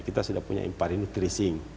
kita sudah punya imparit nutrisi